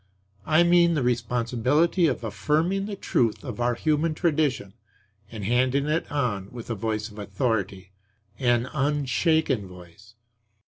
I mean the responsibility of affirming the truth of our human tradition and handing it on with a voice of authority, an unshaken voice.